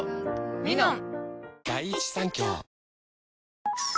「ミノン」◆